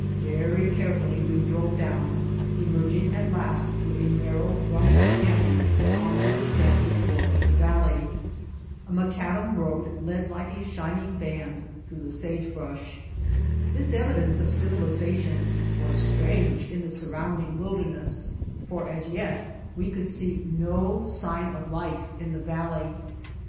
Very carefully we drove down, emerging at last through a narrow, rough canyon onto the sandy White Heart of Mojave floor of the valley. A macadam road led like a shining band through the sagebrush. This evi dence of civilization was strange in the sur rounding wilderness, for as yet we could see no sign of life in the valley.